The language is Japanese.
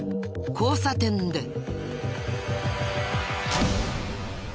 交差点で。